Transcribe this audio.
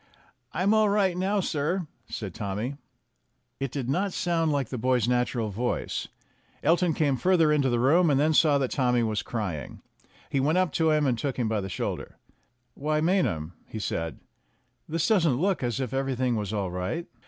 "I'm all right now, sir," said Tommy. It did not sound like the boy's natural voice. Elton came further into the room, and then saw that Tommy THE BOY AND THE PESSIMIST in was crying. He went up to him and took him by the shoulder. "Why, Maynham," he said, "this doesn't look as if everything was all right."